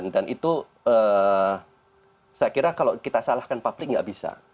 dan itu saya kira kalau kita salahkan publik nggak bisa